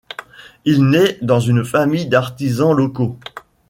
Il naît dans une famille d'artisans locaux.